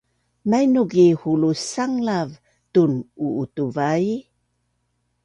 mainuk i hulus sanglav tun’u’utuvai